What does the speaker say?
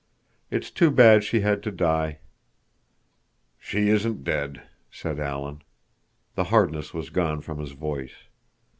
It's too bad she had to die." "She isn't dead," said Alan. The hardness was gone from his voice.